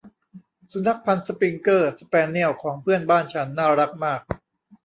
สุนัขพันธุ์สปริงเกอร์ สแปเนียลของเพื่อนบ้านฉันน่ารักมาก